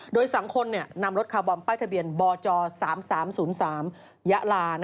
โดยสังคมนำรถคาร์บอมป้ายทะเบียนบจ๓๓๐๓ยะลา